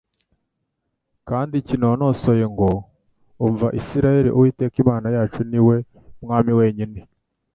kandi kinonosoye ngo «umva Isiraeli, Uwiteka Imana yacu ni we Mwami wenyine.